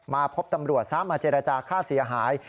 มาพบตำรวจซะมาเจรจาค่าเสียหาย